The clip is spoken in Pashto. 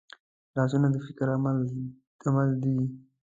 لاسونه د فکر عمل دي